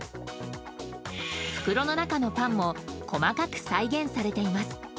袋の中のパンも細かく再現されています。